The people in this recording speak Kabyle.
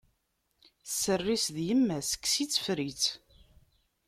Sser-is d yemma-s, kkes-itt, ffer-itt!